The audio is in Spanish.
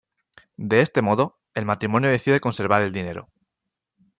De este modo, el matrimonio decide conservar el dinero.